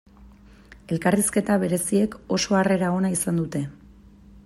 Elkarrizketa bereziek oso harrera ona izaten dute.